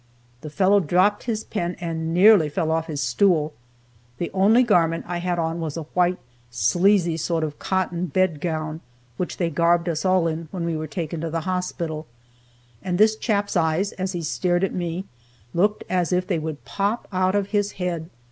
The fellow dropped his pen, and nearly fell off his stool. The only garment I had on was a white, sleazy sort of cotton bed gown, which they garbed us all in when we were taken to the hospital; and this chap's eyes, as he stared at me, looked as if they would pop out of his head.